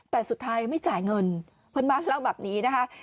แต่สุดท้ายไม่จ่ายเงินเพื่อนบ้านเล่าแบบนี้นะคะ